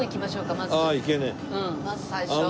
まず最初。